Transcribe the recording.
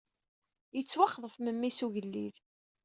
Yettwaxḍef memmi-s n ugellid.